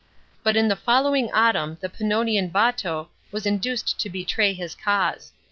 But in the following autumn the Pannonian Bato was induced to betray his cause.